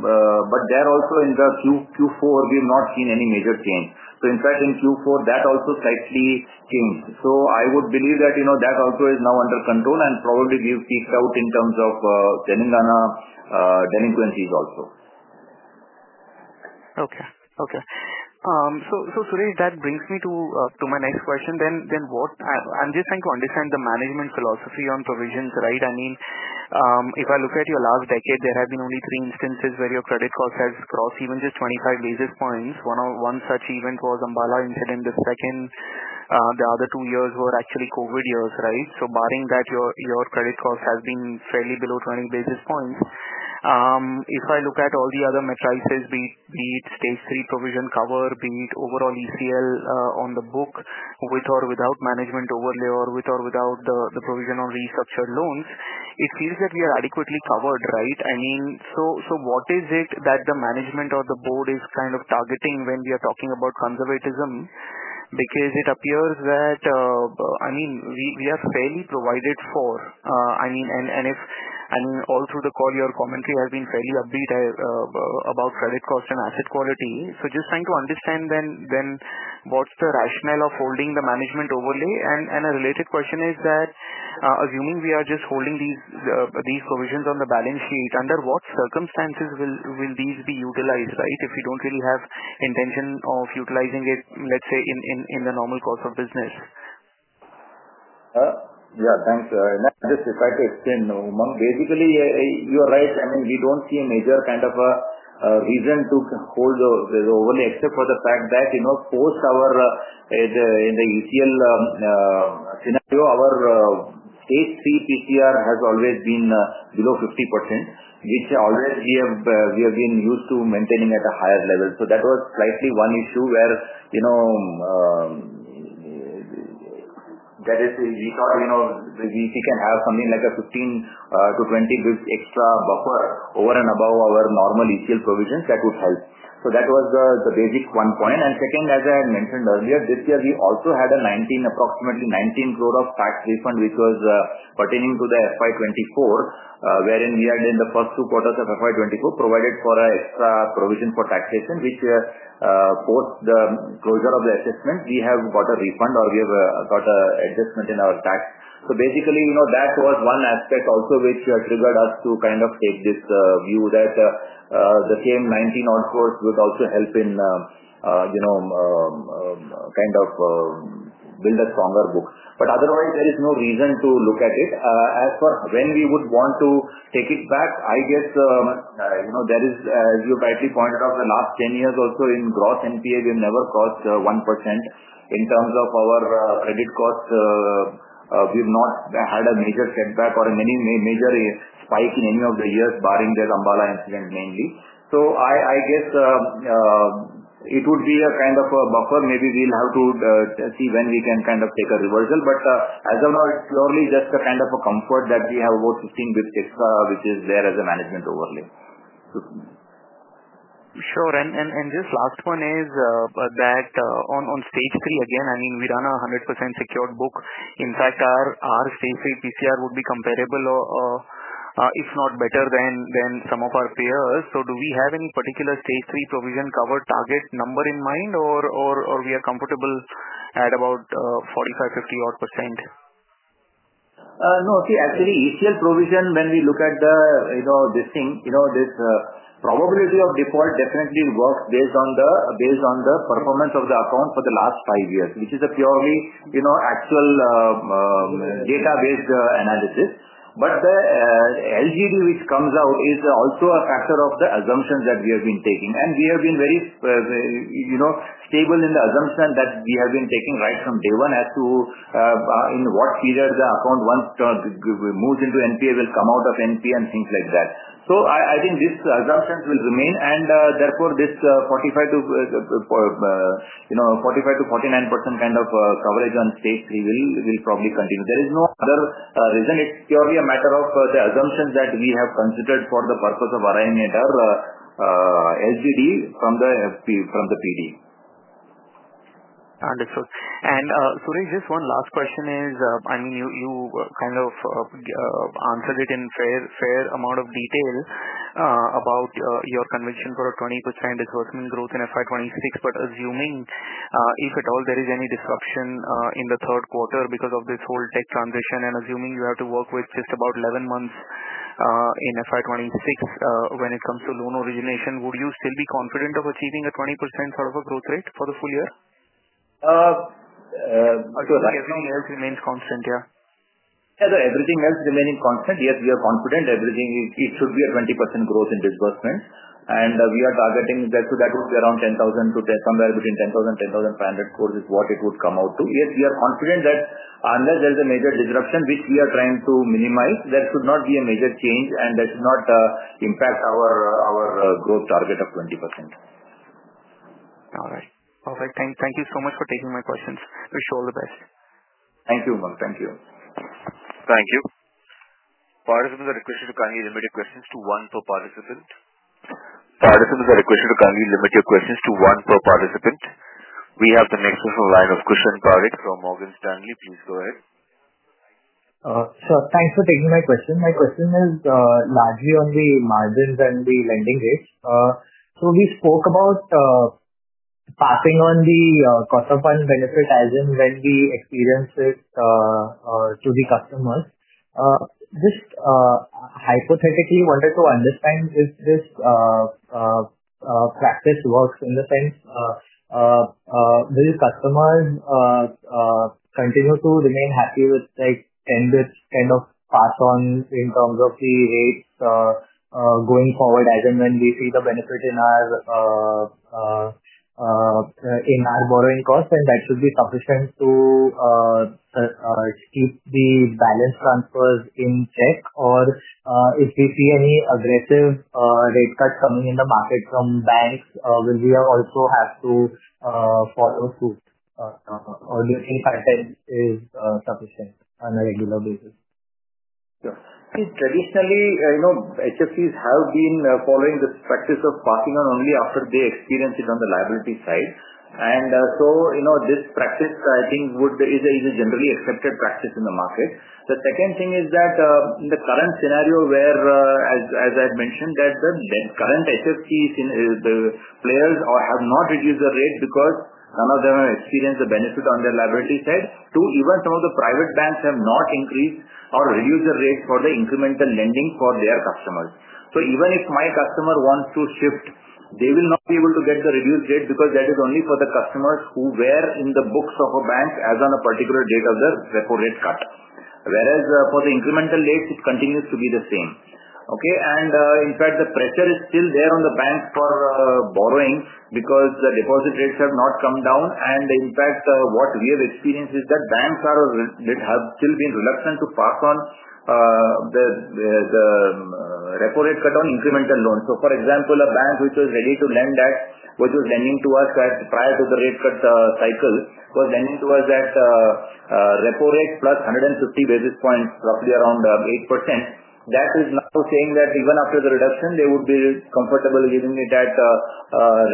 also, in Q4, we have not seen any major change. In fact, in Q4, that also slightly changed. I would believe that that also is now under control and probably we've peaked out in terms of Telangana delinquencies also. Okay. Okay. Suresh, that brings me to my next question. What I am just trying to understand is the management philosophy on provisions, right? I mean, if I look at your last decade, there have been only three instances where your credit cost has crossed even just 25 basis points. One such event was the Ambala incident. The other two years were actually COVID years, right? Barring that, your credit cost has been fairly below 20 basis points. If I look at all the other metrics, be it Stage 3 provision cover, be it overall ECL on the book with or without management overlay or with or without the provision on restructured loans, it feels that we are adequately covered, right? I mean, what is it that the management or the board is kind of targeting when we are talking about conservatism? Because it appears that, I mean, we are fairly provided for. I mean, and all through the call, your commentary has been fairly upbeat about credit cost and asset quality. Just trying to understand then what's the rationale of holding the management overlay. A related question is that, assuming we are just holding these provisions on the balance sheet, under what circumstances will these be utilized, right, if we don't really have intention of utilizing it, let's say, in the normal course of business? Yeah. Thanks. Just if I could explain, Umang, basically, you are right. I mean, we do not see a major kind of a reason to hold the overlay except for the fact that post our in the ECL scenario, our Stage 3 PCR has always been below 50%, which always we have been used to maintaining at a higher level. That was slightly one issue where that is we thought we can have something like a 15-20 basis points extra buffer over and above our normal ECL provisions that would help. That was the basic one point. As I had mentioned earlier, this year we also had an approximately 19 crore tax refund, which was pertaining to FY 2024, wherein we had in the first two quarters of FY 2024 provided for an extra provision for taxation, which post the closure of the assessment, we have got a refund or we have got an adjustment in our tax. Basically, that was one aspect also which triggered us to kind of take this view that the same 19 crore would also help in kind of build a stronger book. Otherwise, there is no reason to look at it. As for when we would want to take it back, I guess there is, as you rightly pointed out, the last 10 years also in gross NPA, we have never crossed 1% in terms of our credit cost. We have not had a major setback or a major spike in any of the years, barring the Ambala incident mainly. I guess it would be a kind of a buffer. Maybe we will have to see when we can kind of take a reversal. As of now, it is purely just a kind of a comfort that we have about 15 basis points extra, which is there as a management overlay. Sure. This last one is that on Stage 3, again, I mean, we run a 100% secured book. In fact, our Stage 3 PCR would be comparable, if not better than some of our peers. Do we have any particular Stage 3 provision cover target number in mind, or are we comfortable at about 45%-50%? No. See, actually, ECL provision, when we look at this thing, this probability of default definitely works based on the performance of the account for the last five years, which is a purely actual data-based analysis. But the LGD, which comes out, is also a factor of the assumptions that we have been taking. We have been very stable in the assumption that we have been taking right from day one as to in what period the account once moves into NPA will come out of NPA and things like that. I think these assumptions will remain. Therefore, this 45-49% kind of coverage on Stage 3 will probably continue. There is no other reason. It's purely a matter of the assumptions that we have considered for the purpose of arriving at our LGD from the PD. Understood. Suresh, just one last question is, I mean, you kind of answered it in fair amount of detail about your conviction for a 20% disbursement growth in FY 2026. Assuming if at all there is any disruption in the third quarter because of this whole tech transition, and assuming you have to work with just about 11 months in FY 2026 when it comes to loan origination, would you still be confident of achieving a 20% sort of a growth rate for the full year? I'll do it like this. Or is everything else remains constant? Yeah. Yeah. Everything else remaining constant, yes, we are confident. It should be a 20% growth in disbursement. We are targeting that would be around 10,000-10,500 crore is what it would come out to. Yes, we are confident that unless there is a major disruption, which we are trying to minimize, there should not be a major change, and that should not impact our growth target of 20%. All right. Perfect. Thank you so much for taking my questions. Wish you all the best. Thank you, Umang. Thank you. Thank you. Participants, the request is to kindly limit your questions to one per participant. We have the next question Aniket from Morgan Stanley. Please go ahead. Sure. Thanks for taking my question. My question is largely on the margins and the lending rates. We spoke about passing on the cost of fund benefit as and when we experience it to the customers. Just hypothetically, I wanted to understand if this practice works in the sense will customers continue to remain happy with 10 basis points kind of pass on in terms of the rates going forward as and when we see the benefit in our borrowing cost, and that should be sufficient to keep the balance transfers in check? If we see any aggressive rate cuts coming in the market from banks, will we also have to follow suit, or in fact, is sufficient on a regular basis? Sure. See, traditionally, HFCs have been following this practice of passing on only after they experience it on the liability side. This practice, I think, is a generally accepted practice in the market. The second thing is that in the current scenario, as I had mentioned, the current HFCs, the players have not reduced the rate because none of them have experienced the benefit on their liability side. Two, even some of the private banks have not increased or reduced the rate for the incremental lending for their customers. Even if my customer wants to shift, they will not be able to get the reduced rate because that is only for the customers who were in the books of a bank as on a particular date of the repo rate cut. Whereas for the incremental rates, it continues to be the same. Okay. In fact, the pressure is still there on the banks for borrowing because the deposit rates have not come down. In fact, what we have experienced is that banks have still been reluctant to pass on the repo rate cut on incremental loans. For example, a bank which was lending to us prior to the rate cut cycle was lending to us at repo rate +150 basis points, roughly around 8%. That is now saying that even after the reduction, they would be comfortable giving it at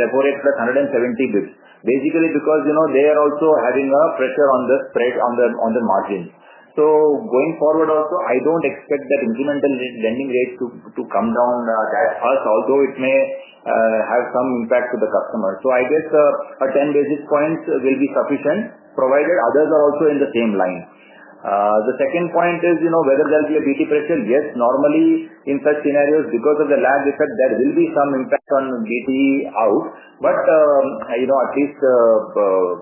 repo rate +170 basis points. Basically because they are also having a pressure on the spread on the margins. Going forward also, I do not expect that incremental lending rates to come down that fast, although it may have some impact to the customers. I guess a 10 basis points will be sufficient provided others are also in the same line. The second point is whether there will be a BT pressure. Yes, normally in such scenarios, because of the lag effect, there will be some impact on BT out. At least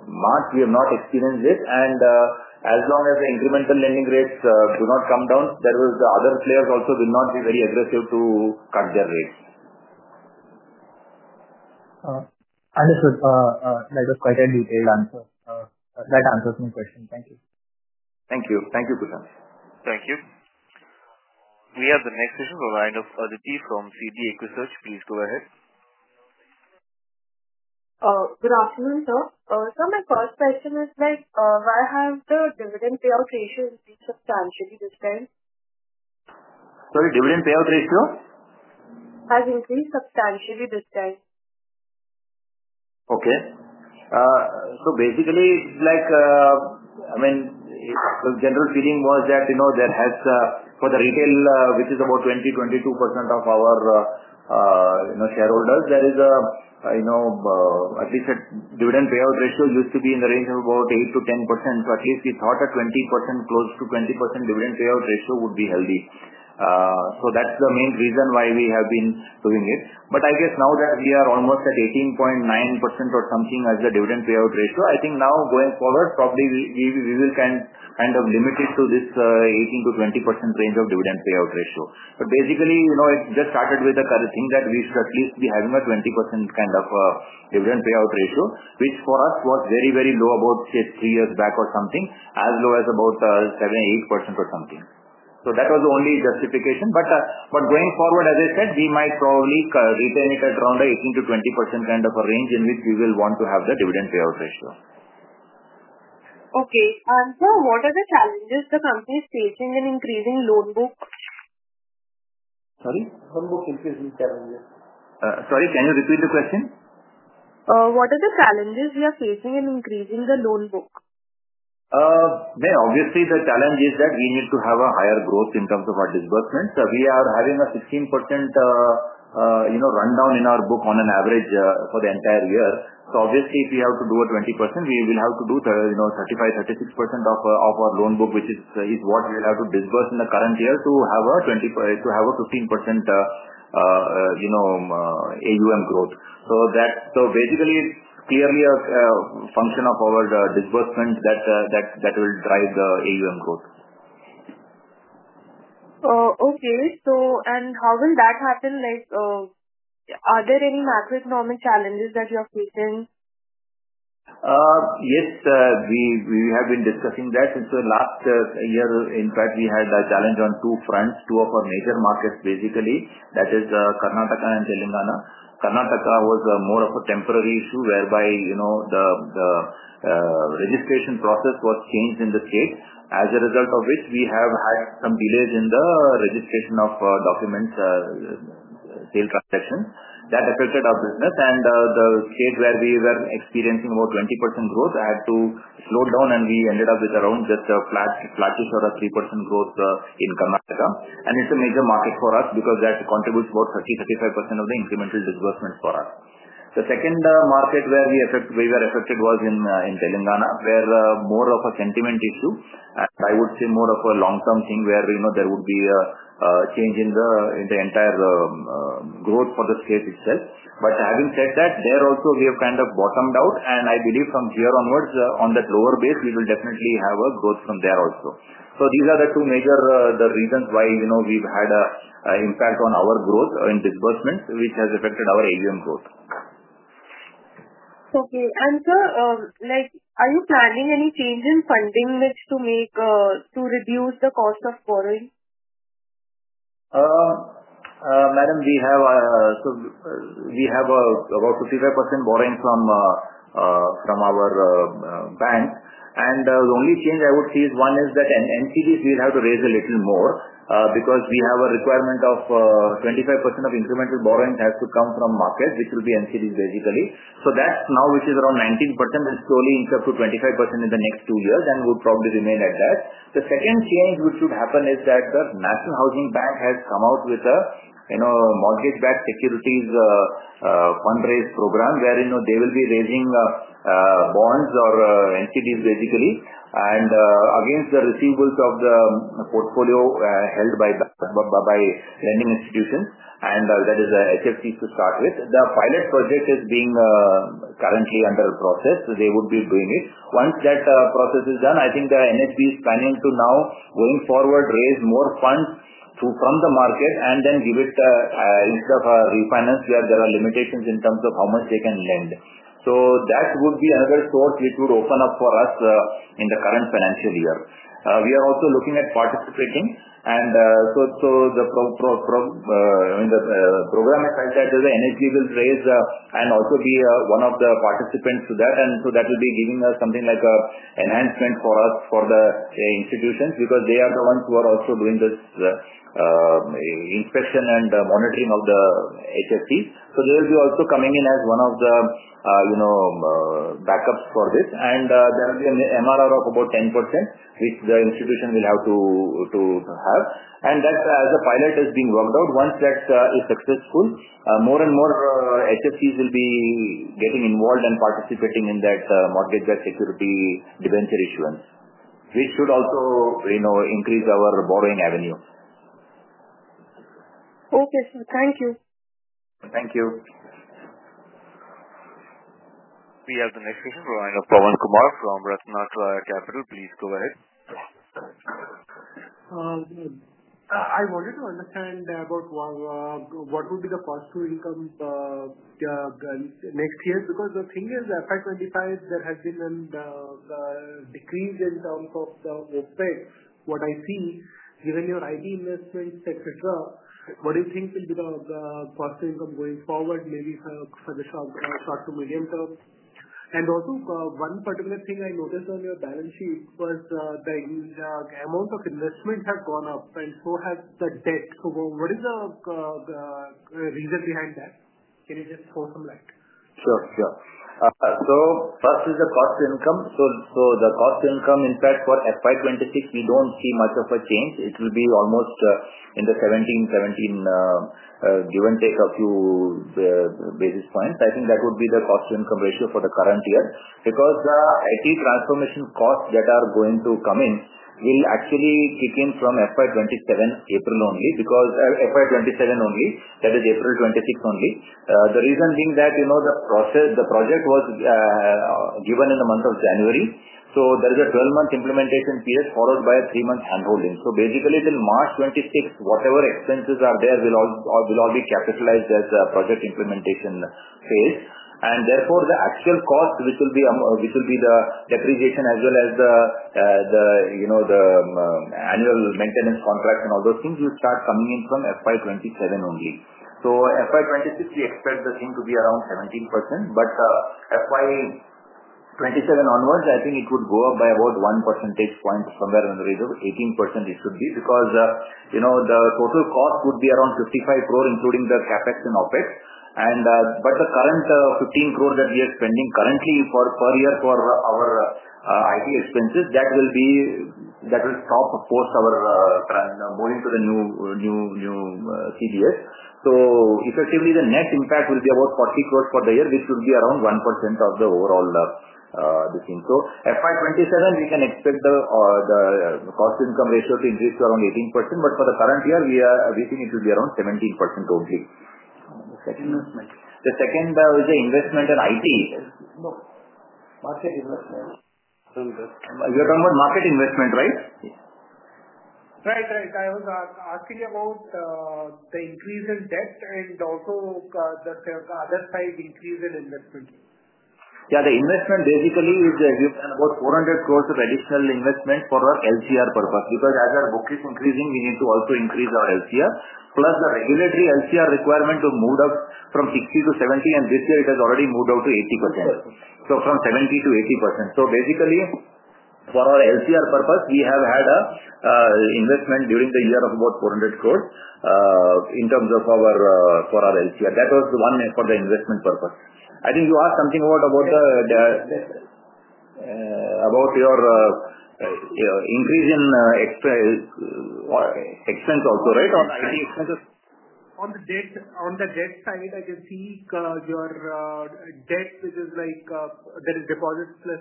March, we have not experienced this. As long as the incremental lending rates do not come down, other players also will not be very aggressive to cut their rates. Understood. That was quite a detailed answer. That answers my question. Thank you. Thank you. Thank you, Prashanth. Thank you. We have the next question from a line of RDP from CD Equisearch. Please go ahead. Good afternoon, sir. My first question is, why have the dividend payout ratios increased substantially this time? Sorry, dividend payout ratio? Has increased substantially this time. Okay. Basically, I mean, the general feeling was that for the retail, which is about 20%-22% of our shareholders, there is at least a dividend payout ratio used to be in the range of about 8%-10%. At least we thought a 20%, close to 20% dividend payout ratio would be healthy. That is the main reason why we have been doing it. I guess now that we are almost at 18.9% or something as the dividend payout ratio, I think now going forward, probably we will kind of limit it to this 18%-20% range of dividend payout ratio. Basically, it just started with the thing that we should at least be having a 20% kind of dividend payout ratio, which for us was very, very low about three years back or something, as low as about 7%-8% or something. That was the only justification. Going forward, as I said, we might probably retain it at around 18-20% kind of a range in which we will want to have the dividend payout ratio. Okay. Sir, what are the challenges the company is facing in increasing loan book? Sorry? Loan book increasing challenges. Sorry, can you repeat the question? What are the challenges we are facing in increasing the loan book? Obviously, the challenge is that we need to have a higher growth in terms of our disbursements. We are having a 16% rundown in our book on an average for the entire year. Obviously, if we have to do a 20%, we will have to do 35%-36% of our loan book, which is what we will have to disburse in the current year to have a 15% AUM growth. Basically, it is clearly a function of our disbursement that will drive the AUM growth. Okay. How will that happen? Are there any macroeconomic challenges that you are facing? Yes. We have been discussing that. Since the last year, in fact, we had a challenge on two fronts, two of our major markets, basically. That is Karnataka and Telangana. Karnataka was more of a temporary issue whereby the registration process was changed in the state. As a result of which, we have had some delays in the registration of documents, sale transactions. That affected our business. The state where we were experiencing about 20% growth had to slow down, and we ended up with around just a flatish or a 3% growth in Karnataka. It is a major market for us because that contributes about 30%-35% of the incremental disbursements for us. The second market where we were affected was in Telangana, where more of a sentiment issue. I would say more of a long-term thing where there would be a change in the entire growth for the state itself. Having said that, there also, we have kind of bottomed out. I believe from here onwards, on that lower base, we will definitely have a growth from there also. These are the two major reasons why we've had an impact on our growth in disbursements, which has affected our AUM growth. Okay. Sir, are you planning any change in funding to reduce the cost of borrowing? Madam, we have about 55% borrowing from our bank. The only change I would see is one is that NCDs will have to raise a little more because we have a requirement of 25% of incremental borrowing has to come from market, which will be NCDs basically. That now, which is around 19%, is slowly inching up to 25% in the next two years and would probably remain at that. The second change which should happen is that the National Housing Bank has come out with a mortgage-backed securities fund-raise program where they will be raising bonds or NCDs basically against the receivables of the portfolio held by lending institutions. That is HFCs to start with. The pilot project is being currently under process. They would be doing it. Once that process is done, I think the NHB is planning to now, going forward, raise more funds from the market and then give it instead of a refinance where there are limitations in terms of how much they can lend. That would be another source which would open up for us in the current financial year. We are also looking at participating. The program is such that the NHB will raise and also be one of the participants to that. That will be giving us something like an enhancement for us for the institutions because they are the ones who are also doing this inspection and monitoring of the HFCs. They will be also coming in as one of the backups for this. There will be an MRR of about 10%, which the institution will have to have. As the pilot is being worked out, once that is successful, more and more HFCs will be getting involved and participating in that mortgage-backed security transaction issuance, which should also increase our borrowing avenue. Okay. Thank you. Thank you. We have the next question from a line of Pawan Kumar from RatnaTraya Capital. Please go ahead. I wanted to understand about what would be the cost to incomes next year because the thing is FY 2025, there has been a decrease in terms of the OpEx. What I see, given your IT investments, etc., what do you think will be the cost to income going forward, maybe for the short to medium term? Also, one particular thing I noticed on your balance sheet was the amount of investment has gone up, and so has the debt. What is the reason behind that? Can you just throw some light? Sure. Sure. First is the cost of income. The cost of income, in fact, for FY 2026, we do not see much of a change. It will be almost in the 17-17, give and take a few basis points. I think that would be the cost of income ratio for the current year because IT transformation costs that are going to come in will actually kick in from FY 2027, April only, because FY 2027 only, that is April 2026 only. The reason being that the project was given in the month of January. There is a 12-month implementation period followed by a 3-month handholding. Basically, till March 2026, whatever expenses are there will all be capitalized as the project implementation phase. Therefore, the actual cost, which will be the depreciation as well as the annual maintenance contracts and all those things, will start coming in from FY 2027 only. FY 2026, we expect the thing to be around 17%. FY 2027 onwards, I think it would go up by about 1 percentage point somewhere in the range of 18% it should be because the total cost would be around 550 million, including the CapEx and OpEx. The current 150 million that we are spending currently per year for our IT expenses, that will stop post our moving to the new CBS. Effectively, the net impact will be about 400 million for the year, which would be around 1% of the overall thing. FY 2027, we can expect the cost to income ratio to increase to around 18%. For the current year, we think it will be around 17% only. The second investment. The second is the investment in IT. Market investment. You're talking about market investment, right? Right. Right. I was asking about the increase in debt and also the other side increase in investment. Yeah. The investment basically is about 400 crore of additional investment for our LCR purpose. Because as our book is increasing, we need to also increase our LCR, plus the regulatory LCR requirement to move up from 60% to 70%. This year, it has already moved up to 80%. From 70% to 80%. Basically, for our LCR purpose, we have had an investment during the year of about INR 400 crore in terms of our LCR. That was the one for the investment purpose. I think you asked something about your increase in expense also, right? Or IT expenses? On the debt side, I can see your debt, which is like there is deposits plus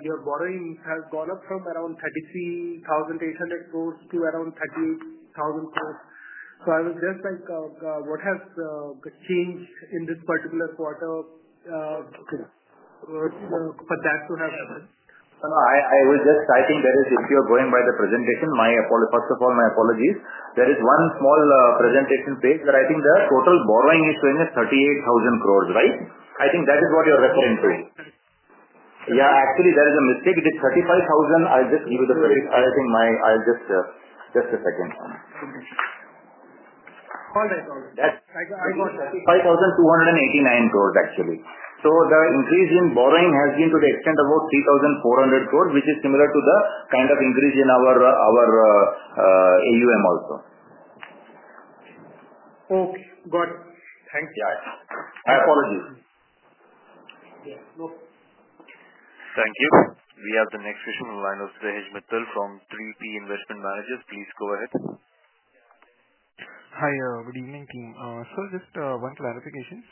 your borrowing, has gone up from around 33,800 crore to around 38,000 crore. I was just like, what has changed in this particular quarter for that to have? I was just typing that if you are going by the presentation, first of all, my apologies. There is one small presentation page where I think the total borrowing is showing as 38,000 crore, right? I think that is what you're referring to. Yeah. Actually, there is a mistake. It is 35,000 crore. I'll just give you the 35. I think my just a second. All right. All right. That's 35,289 crore, actually. The increase in borrowing has been to the extent of about 3,400 crore, which is similar to the kind of increase in our AUM also. Okay. Got it. Thank you. Yeah. My apologies. Yes. Thank you. We have the next question from a line of Viraj Mittal from 3P Investment Managers. Please go ahead. Hi. Good evening, team. Just one clarification.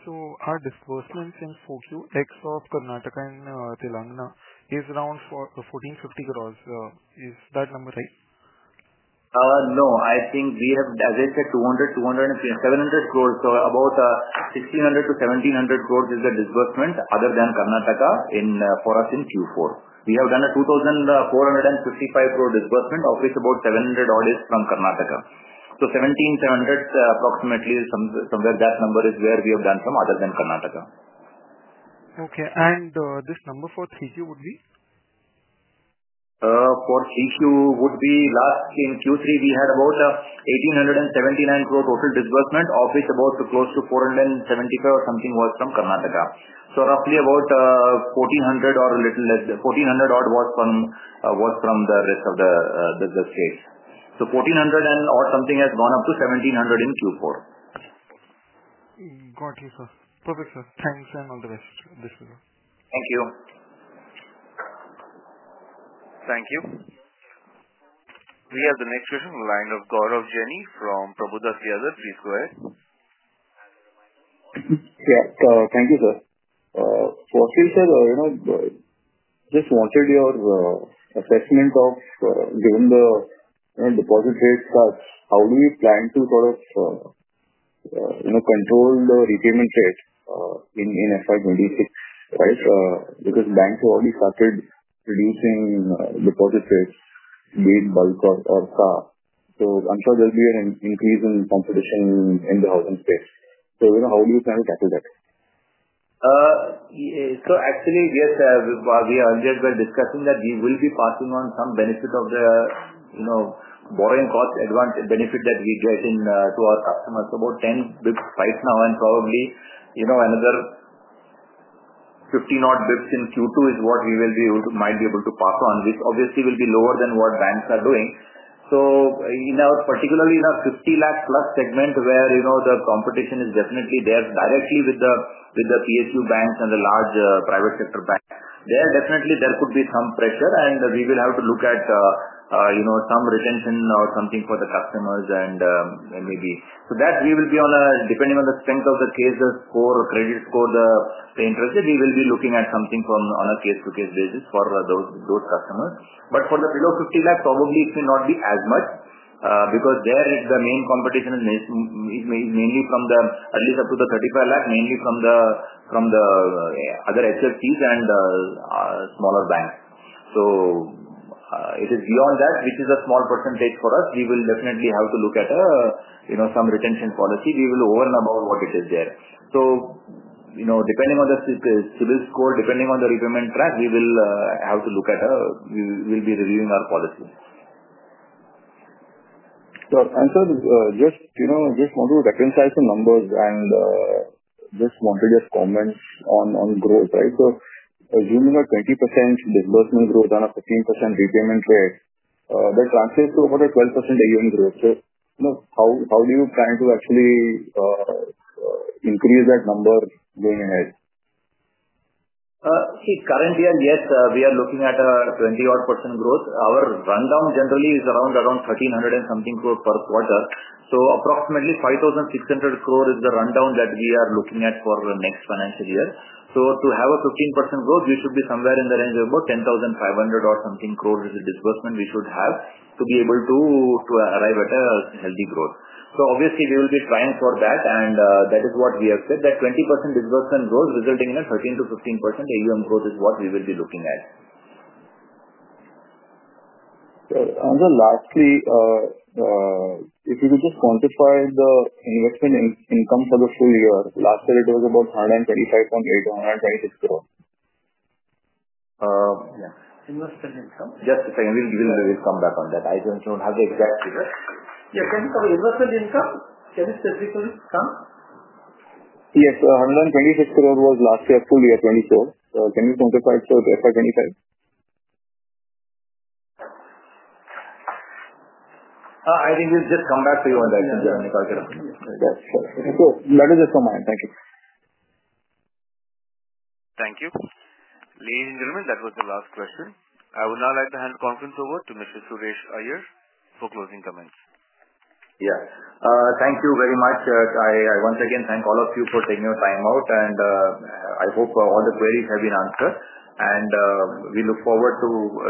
Our disbursements in fourth quarter, excluding Karnataka and Telangana, is around INR 1,450 crore. Is that number right? No. I think we have, as I said, 200, 200, 700 crore. So about INR 1,600-1,700 crore is the disbursement other than Karnataka for us in Q4. We have done a 2,455 crore disbursement of which about 700 crore is from Karnataka. So 1,700 crore approximately is somewhere that number is where we have done from other than Karnataka. Okay. This number for 3Q would be? For 3Q, in Q3, we had about 1,879 crore total disbursement of which about close to 475 crore or something was from Karnataka. Roughly about 1,400 crore or a little less, 1,400 odd, was from the rest of the state. 1,400 odd something has gone up to 1,700 crore in Q4. Got it, sir. Perfect, sir. Thanks and all the best. Thank you. Thank you. We have the next question from a line of Gaurav Jani from Prabhudas Lilladher. Please go ahead. Yeah. Thank you, sir. For sure, sir, just wanted your assessment of given the deposit rates such, how do we plan to sort of control the repayment rate in FY 2026, right? Because banks have already started reducing deposit rates, being bulk or card. I am sure there will be an increase in competition in the housing space. How do you plan to tackle that? Actually, yes, we were discussing that we will be passing on some benefit of the borrowing cost benefit that we get to our customers. About 10 basis points right now and probably another 50-odd basis points in Q2 is what we might be able to pass on, which obviously will be lower than what banks are doing. Particularly in our 5 million+ segment where the competition is definitely there directly with the PSU banks and the large private sector banks, there definitely there could be some pressure. We will have to look at some retention or something for the customers and maybe so that we will be, depending on the strength of the case, the score, credit score, the interest, we will be looking at something on a case-to-case basis for those customers. For the below 5 million, probably it will not be as much because there the main competition is mainly from the, at least up to the 3.5 million, mainly from the other HFCs and smaller banks. It is beyond that, which is a small percentage for us. We will definitely have to look at some retention policy. We will over and above what it is there. Depending on the CIBIL score, depending on the repayment track, we will have to look at, we will be reviewing our policy. Sir, I'm sorry. Just want to recognize the numbers and just wanted your comments on growth, right? Assuming a 20% disbursement growth and a 15% repayment rate, that translates to about a 12% AUM growth. How do you plan to actually increase that number going ahead? See, current year, yes, we are looking at a 20% growth. Our rundown generally is around 1,300 and something crore per quarter. Approximately 5,600 crore is the rundown that we are looking at for the next financial year. To have a 15% growth, we should be somewhere in the range of about 10,500 odd something crore is the disbursement we should have to be able to arrive at a healthy growth. Obviously, we will be trying for that. That is what we have said, that 20% disbursement growth resulting in a 13%-15% AUM growth is what we will be looking at. Sir, lastly, if you could just quantify the investment income for the full year, last year it was about INR 125.8 crore or INR 126 crore. Yeah. Investment income? Just a second. We'll come back on that. I don't have the exact figure. Yeah. Can you tell me investment income? Can you specifically come? Yes. 126 crore was last year, full year, 2024. Can you quantify it to FY 2025? I think we'll just come back to you on that. That's fine. That's fine. That's fine. That is just a mind. Thank you. Thank you. Ladies and gentlemen, that was the last question. I would now like to hand the conference over to Mr. Suresh Iyer for closing comments. Yeah. Thank you very much. I once again thank all of you for taking your time out. I hope all the queries have been answered. We look forward to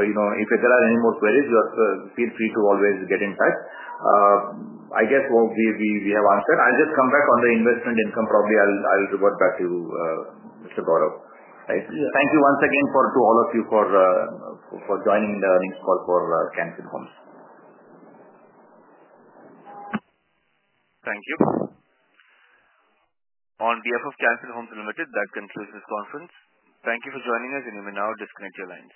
if there are any more queries, you are feel free to always get in touch. I guess we have answered. I'll just come back on the investment income. Probably I'll revert back to Mr. Gaurav. Thank you once again to all of you for joining in the earnings call for Can Fin Homes Limited. Thank you. On behalf of Can Fin Homes Limited, that concludes this conference. Thank you for joining us, and you may now disconnect your lines.